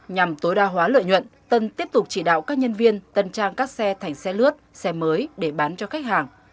nhằm tối đa hóa lợi nhuận tân tiếp tục chỉ đạo các nhân viên tân trang các xe thành xe lướt xe mới để bán cho khách hàng